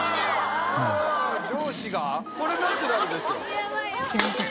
ここすいません